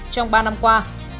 trong ba năm qua